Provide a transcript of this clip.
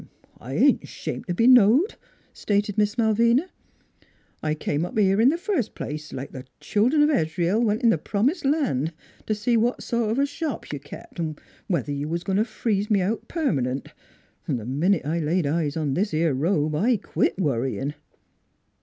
" I ain't ashamed t' be knowed," stated Miss Malvina. " I came up here in th' first place, like th' children of Israel went in the Promised Land, t' see what sort of a shop you kep', an' whether you was goin' t' freeze me out permanent. ... The minute I laid my eyes on this 'ere robe I quit worryin'."